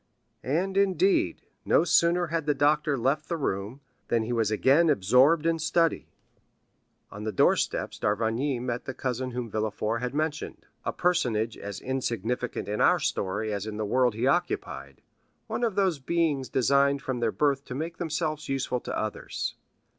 And, indeed, no sooner had the doctor left the room, than he was again absorbed in work. On the doorsteps d'Avrigny met the cousin whom Villefort had mentioned, a personage as insignificant in our story as in the world he occupied—one of those beings designed from their birth to make themselves useful to others.